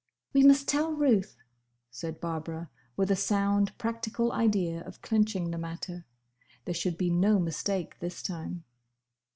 "We must tell Ruth," said Barbara, with a sound practical idea of clinching the matter. There should be no mistake this time.